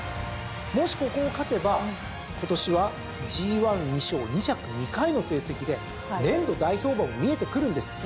もしここを勝てば今年はＧⅠ２勝２着２回の成績で年度代表馬も見えてくるんです。